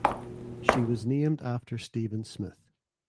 She was named after Stephen Smith.